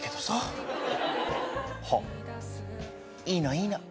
いいのいいの。